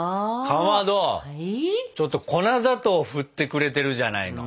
かまどちょっと粉砂糖を振ってくれてるじゃないの。